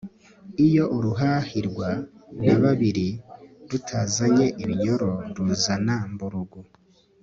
iyo uruhahirwa na babiri rutazanye ibinyoro ruzana mburugu